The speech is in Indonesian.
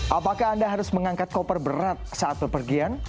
apakah anda harus mengangkat koper berat saat pepergian